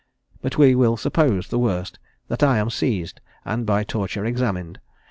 But we will suppose the worst that I am seized, and by torture examined.